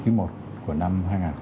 quý một của năm hai nghìn hai mươi